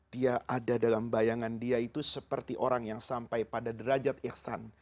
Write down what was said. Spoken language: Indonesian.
dia ada dalam bayangan dia itu seperti orang yang sampai pada derajat iksan